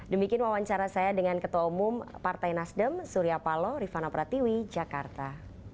demikian wawancara saya dengan ketua umum partai nasdem surya paloh rifana pratiwi jakarta